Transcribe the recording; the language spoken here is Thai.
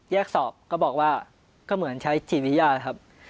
สอบก็บอกว่าก็เหมือนใช้จิตวิญญาณครับ